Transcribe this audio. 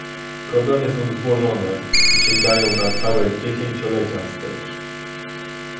Problemy są złożone i sięgają na całe dziesięciolecia wstecz